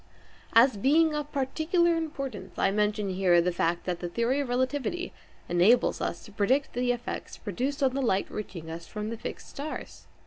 As being of particular importance, I mention here the fact that the theory of relativity enables us to predict the effects produced on the light reaching us from the fixed stars.